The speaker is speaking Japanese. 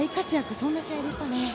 そんな試合でしたね。